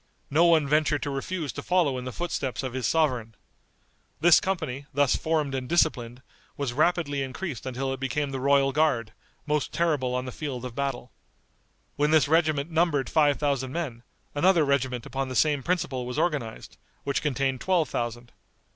No one ventured to refuse to follow in the footsteps of his sovereign. This company, thus formed and disciplined, was rapidly increased until it became the royal guard, most terrible on the field of battle. When this regiment numbered five thousand men, another regiment upon the same principle was organized, which contained twelve thousand.